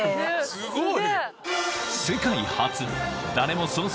すごい！